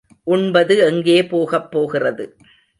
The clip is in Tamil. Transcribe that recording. உண்பது எங்கே போகப்போகிறது!